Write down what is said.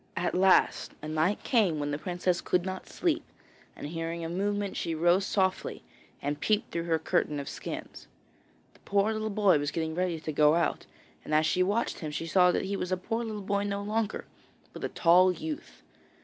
At last a night came when the princess could not sleep, and hearing a movement she rose softly and peeped through her curtain of skins. The poor little boy was getting ready to go out, and as she watched him she saw that he was a poor little boy no longer, but a tall youth.